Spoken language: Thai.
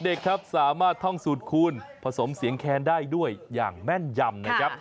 เด็กครับสามารถท่องสูตรคูณผสมเสียงแคนได้ด้วยอย่างแม่นยำนะครับ